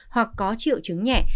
hoặc có triệu chứng nhẹ